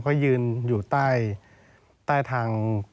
เขายืนอยู่ใต้ทาง